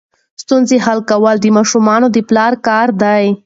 ستونزې حل کول د ماشومانو د پلار کار دی.